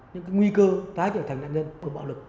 những cái nguy cơ tái trở thành nạn nhân của bạo lực